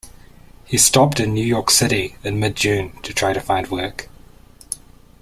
He stopped in New York City in mid-June, to try to find work.